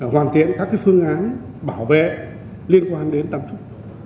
hoàn thiện các phương án bảo vệ liên quan đến tâm trúc